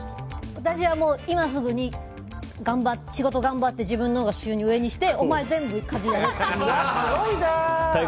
私は今すぐに仕事頑張って自分のほうが収入上にしてすごいな。